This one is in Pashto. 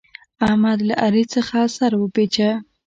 احمد له علي څخه سر وپېچه.